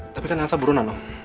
tapi kan elsa burunan om